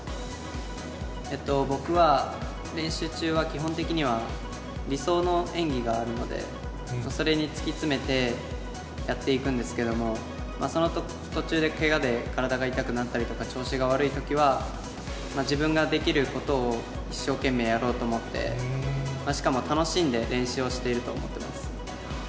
僕は、練習中は、基本的には理想の演技があるので、それに突き詰めてやっていくんですけれども、その途中でけがで体が痛くなったりとか、調子が悪いときは、自分ができることを一生懸命やろうと思って、しかも楽しんで練習をしていると思ってます。